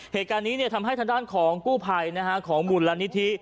เหตุการณ์นี้ทำให้ธนร่านของกู้ภัยของบุญและนิฑิษฐ์